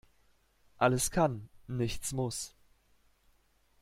Alles kann, nichts muss.